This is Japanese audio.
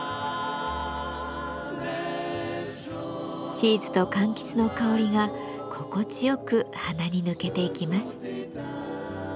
チーズとかんきつの香りが心地よく鼻に抜けていきます。